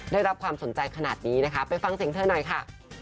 ได้รับความสนใจขนาดนี้นะคะไปฟังเสียงเธอหน่อยค่ะ